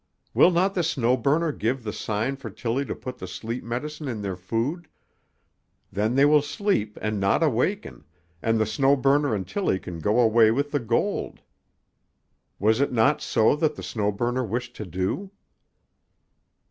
Will not the Snow Burner give the sign for Tillie to put the sleep medicine in their food? Then they will sleep and not awaken, and the Snow Burner and Tillie can go away with the gold. Was it not so that the Snow Burner wished to do?"